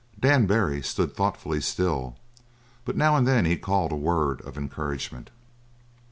Dan Barry stood thoughtfully still, but now and then he called a word of encouragement.